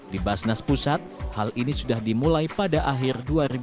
di basnes pusat hal ini sudah dimulai pada akhir dua ribu lima belas